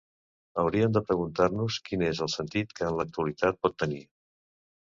Hauríem de preguntar-nos quin és el sentit que en l’actualitat pot tenir.